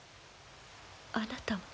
あなたは？